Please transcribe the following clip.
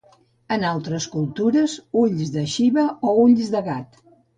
En altres cultures: ulls de Xiva o ulls de gat.